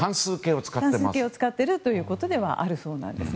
単数形を使ってるということではあるそうなんですね。